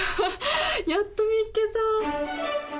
やっと見っけた！